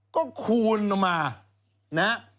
ก็คูณมานะ